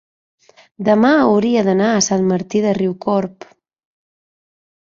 demà hauria d'anar a Sant Martí de Riucorb.